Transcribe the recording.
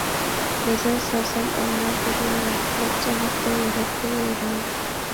نەزەر سالسام ئەمما بىرلا رەت، نەچچە ھەپتە يۈرەتتىم ۋەيران.